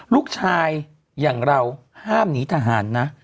ลูกชายอย่างเราห้ามหนีทหารนะ